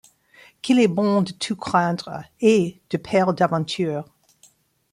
Qu'il est bon de tout craindre, et, de peur d'aventure